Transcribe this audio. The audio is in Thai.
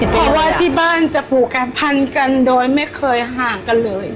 เพราะว่าที่บ้านจะปลูกการพันกันโดยไม่เคยห่างกันเลย